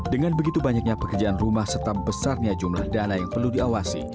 dengan begitu banyaknya pekerjaan rumah serta besarnya jumlah dana yang perlu diawasi